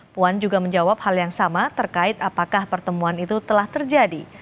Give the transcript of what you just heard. puan juga menjawab hal yang sama terkait apakah pertemuan itu telah terjadi